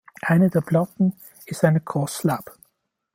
Eine der Platten ist eine Cross-Slab.